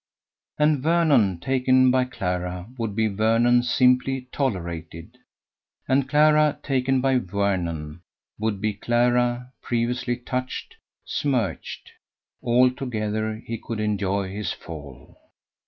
And Vernon taken by Clara would be Vernon simply tolerated. And Clara taken by Vernon would be Clara previously touched, smirched. Altogether he could enjoy his fall.